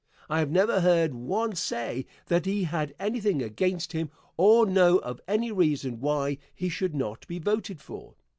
I have never heard one say that he had anything against him or know of any reason why he should not be voted for.